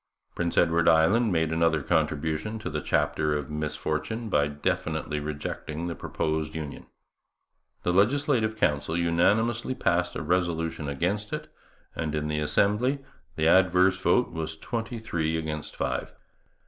Prince Edward Island made another contribution to the chapter of misfortune by definitely rejecting the proposed union. The Legislative Council unanimously passed a resolution against it, and in the Assembly the adverse vote was twenty three against five.